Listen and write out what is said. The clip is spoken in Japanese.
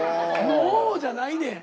「もう」じゃないねん。